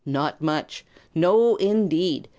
Not much! No, indeed!